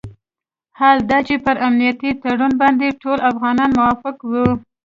حال دا چې پر امنیتي تړون باندې ټول افغانان موافق وو.